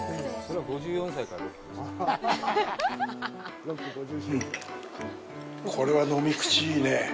うん、これは飲み口、いいねぇ。